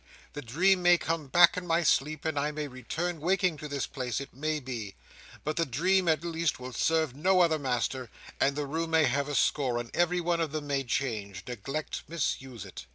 The dream may come back in my sleep, and I may return waking to this place, it may be: but the dream at least will serve no other master, and the room may have a score, and every one of them may change, neglect, misuse it."